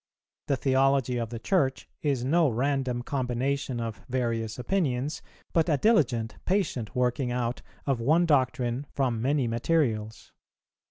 The theology of the Church is no random combination of various opinions, but a diligent, patient working out of one doctrine from many materials.